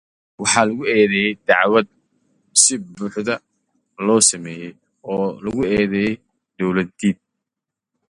They were accused of entirely concocted charges of sedition against the state.